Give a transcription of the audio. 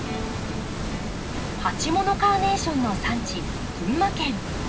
鉢物カーネーションの産地群馬県。